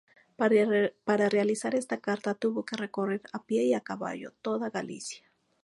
Para realizar esta carta tuvo que recorrer a pie y a caballo toda Galicia.